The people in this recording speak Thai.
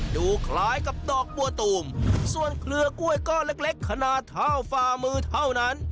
ดูคล้ายกับดอกบัวตูมส่วนเครือกล้วยก้อนเล็กขนาดเท่าฝ่ามือเท่านั้น